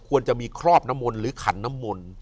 ควรจะมีครอบน้ำมนต์หรือขันน้ำมนต์